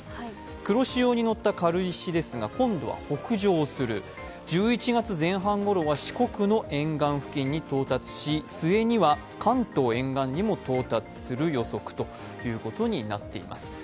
黒潮にのった軽石ですが今度は北上する１１月前半ごろは四国の沿岸付近に到達し末には関東沿岸にも到達する予測となっています。